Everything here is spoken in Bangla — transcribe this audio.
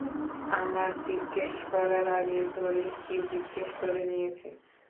আমার জিজ্ঞেস করার আগেই তোর স্ত্রী জিজ্ঞেস করে নিয়েছে।